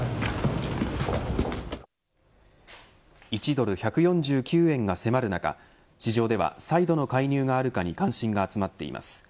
１ドル１４９円が迫る中市場では再度の介入があるかに関心が集まっています。